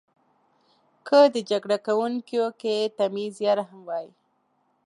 که د جګړو کونکیو کې تمیز یا رحم وای.